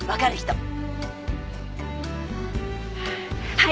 はい！